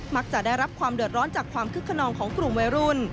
จะได้รับความเดือดร้อนจากความคึกขนองของกลุ่มวัยรุ่น